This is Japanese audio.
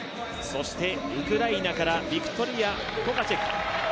そしてウクライナからビクトリヤ・トカチュク。